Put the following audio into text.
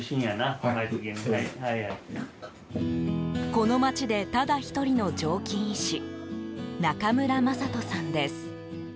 この町でただ１人の常勤医師中村真人さんです。